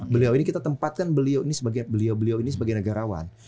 beliau ini kita tempatkan beliau ini sebagai negarawan